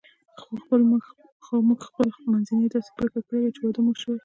خو موږ خپل منځي داسې پرېکړه کړې وه چې واده مو شوی.